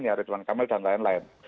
yary tuan kamil dan lain lain